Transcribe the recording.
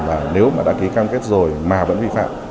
là nếu mà đã ký cam kết rồi mà vẫn bị phạt